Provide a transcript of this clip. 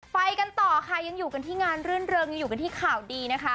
ไปกันต่อค่ะยังอยู่กันที่งานรื่นเริงยังอยู่กันที่ข่าวดีนะคะ